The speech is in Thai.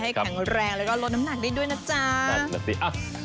ให้แข็งแรงแล้วก็ลดน้ำหนักนิดด้วยนะจ๊ะ